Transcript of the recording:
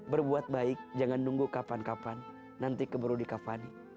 berbuat baik jangan nunggu kapan kapan nanti keburu di kavani